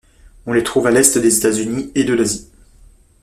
On les trouve à l'est des États-Unis et de l'Asie.